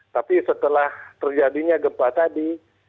tapi setelah terjadinya gempa tadi